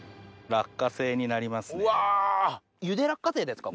ゆで落花生ですか？